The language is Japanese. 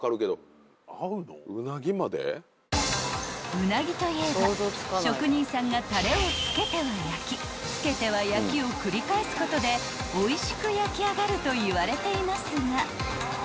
［ウナギといえば職人さんがたれを付けては焼き付けては焼きを繰り返すことでおいしく焼き上がるといわれていますが］